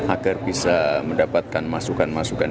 agar bisa mendapatkan masukan masukan